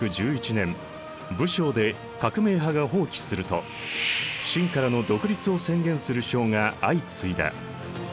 １９１１年武昌で革命派が蜂起すると清からの独立を宣言する省が相次いだ。